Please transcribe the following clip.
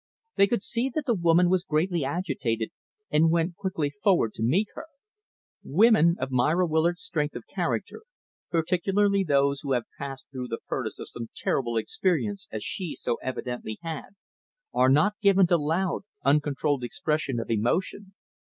They could see that the woman was greatly agitated, and went quicklv forward to meet her. Women of Myra Willard's strength of character particularly those who have passed through the furnace of some terrible experience as she so evidently had are not given to loud, uncontrolled expression of emotion.